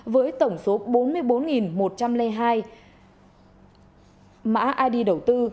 với tổng số bốn mươi bốn một trăm linh hai mã id đầu tư